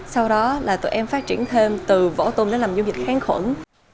sau đó là tụi em phát triển thêm từ vỏ tôm đến làm dung dịch kháng khuẩn